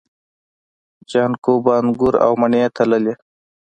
جانکو به انګور او مڼې تللې.